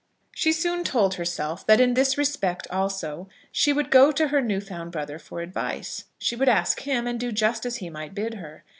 She soon told herself that in this respect also she would go to her new found brother for advice. She would ask him, and do just as he might bid her.